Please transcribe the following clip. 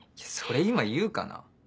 それ今言うかな。